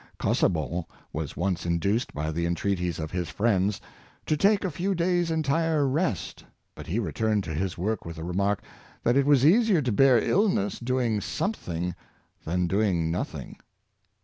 Casaubon was once induced by the entreaties of his friends to take a few days' entire rest, but he returned to his work with the remark, that it was easier to bear illness doing some thing than doing nothing.